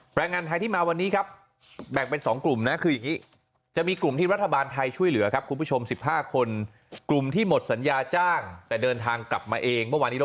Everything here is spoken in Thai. แรงงานไทยที่มาวันนี้ครับแบ่งเป็น๒กลุ่มนะคืออย่างนี้จะมีกลุ่มที่รัฐบาลไทยช่วยเหลือครับคุณผู้ชม๑๕คนกลุ่มที่หมดสัญญาจ้างแต่เดินทางกลับมาเองเมื่อวานนี้